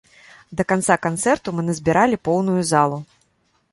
Да канца канцэрту мы назбіралі поўную залу!